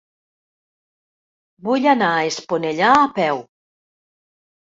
Vull anar a Esponellà a peu.